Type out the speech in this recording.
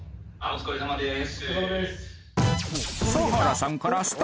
疲れさまです！